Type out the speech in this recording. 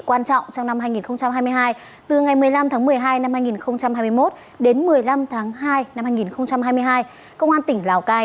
quan trọng trong năm hai nghìn hai mươi hai từ ngày một mươi năm tháng một mươi hai năm hai nghìn hai mươi một đến một mươi năm tháng hai năm hai nghìn hai mươi hai công an tỉnh lào cai